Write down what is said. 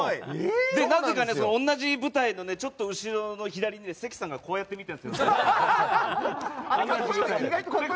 なぜか同じ舞台のちょっと後ろの左に関さんがこうやって見ているんですよ。